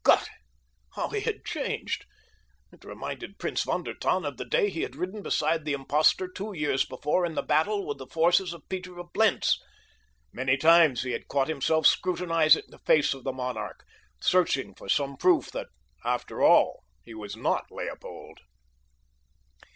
Gott! How he had changed. It reminded Prince von der Tann of the day he had ridden beside the impostor two years before in the battle with the forces of Peter of Blentz. Many times he had caught himself scrutinizing the face of the monarch, searching for some proof that after all he was not Leopold.